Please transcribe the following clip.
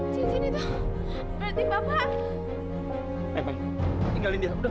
cincin itu berarti bapak